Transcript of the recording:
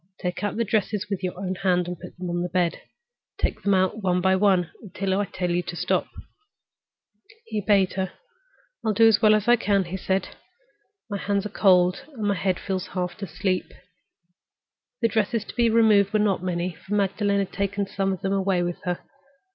Take out the dresses with your own hand and put them on the bed. Take them out one by one until I tell you to stop." He obeyed her. "I'll do it as well as I can," he said. "My hands are cold, and my head feels half asleep." The dresses to be removed were not many, for Magdalen had taken some of them away with her.